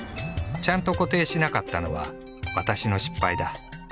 ちゃんと固定しなかったのは「ワタシ」の失敗だ。